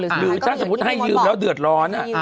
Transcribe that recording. หรือถ้าสมมุติให้ยืมแล้วเดือดร้อน